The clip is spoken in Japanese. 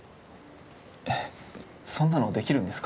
えっそんなのできるんですか？